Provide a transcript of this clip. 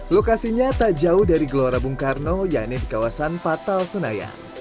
lokasinya tak jauh dari gelora bung karno yaitu di kawasan patal senayan